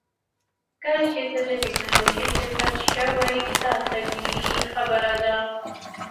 کله چې ته د ټیکنالوژۍ شرکت شوې دا طبیعي خبره ده